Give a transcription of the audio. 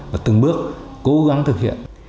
và từng bước cố gắng thực hiện